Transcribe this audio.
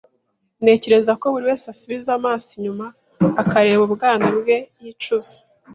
Ntekereza ko buri wese asubiza amaso inyuma akareba ubwana bwe yicuza.